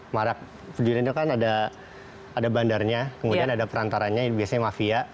marak tujuan itu kan ada bandarnya kemudian ada perantaranya biasanya mafia